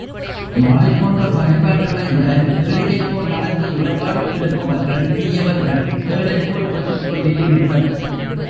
வாளைப் போன்ற பகைவர்களை விடக் கேளிரைப் போல் நடந்து உறவாடிக் கெடுப்பவர்கள் தீயவர்கள் தேளைப்போல் கொட்டிக்கொண்டே இருப்பர்.